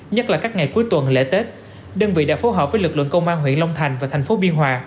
nhất là các ngày cuối tuần lễ tết đơn vị đã phối hợp với lực lượng công an huyện long thành và thành phố biên hòa